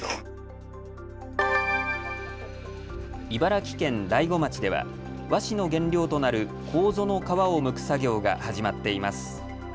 茨城県大子町では和紙の原料となるこうぞの皮をむく作業が始まっています。